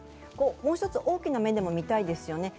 もう一つ、大きな目でも見たいですよね。